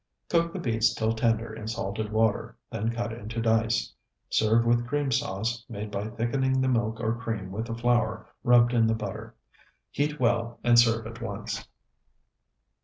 Cook the beets till tender in salted water, then cut into dice. Serve with cream sauce, made by thickening the milk or cream with the flour rubbed in the butter. Heat well, and serve at once.